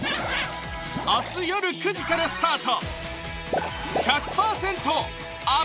明日よる９時からスタート！